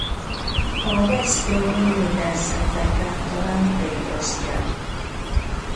A veszprémi Mindenszentek káptalan prépostja.